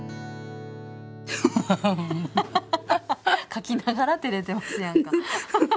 書きながらてれてますやんか。